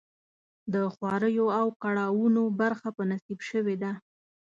د خواریو او کړاوونو برخه په نصیب شوې ده.